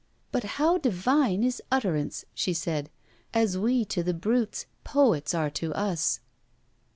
'But how divine is utterance!' she said. 'As we to the brutes, poets are to us.'